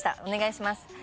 お願いします。